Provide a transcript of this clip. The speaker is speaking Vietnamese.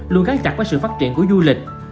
luôn gắn chặt với sự phát triển của du lịch